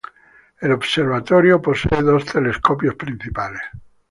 El observatorio posee dos telescopios principales.